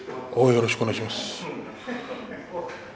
よろしくお願いします。